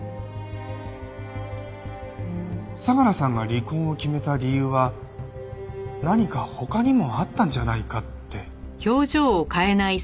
相良さんが離婚を決めた理由は何か他にもあったんじゃないかって。